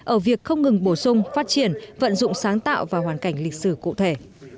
ở việc không ngừng bổ sung phát triển vận dụng sáng tạo vào hoàn cảnh lịch sử cụ thể